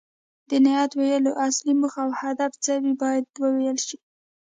د نعت ویلو اصلي موخه او هدف څه وي باید وویل شي.